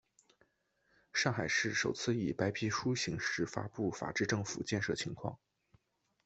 上海市首次以白皮书形式发布法治政府建设情况。